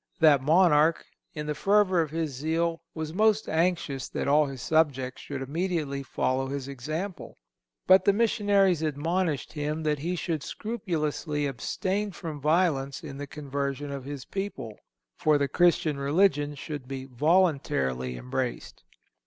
That monarch, in the fervor of his zeal, was most anxious that all his subjects should immediately follow his example; but the missionaries admonished him that he should scrupulously abstain from violence in the conversion of his people, for the Christian religion should be voluntarily embraced.